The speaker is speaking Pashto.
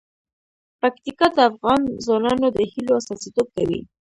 پکتیکا د افغان ځوانانو د هیلو استازیتوب کوي.